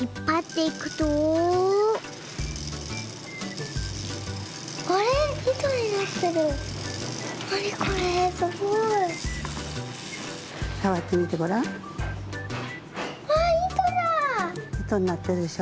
いとになってるでしょ。